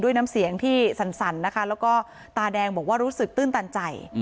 น้ำเสียงที่สั่นนะคะแล้วก็ตาแดงบอกว่ารู้สึกตื้นตันใจ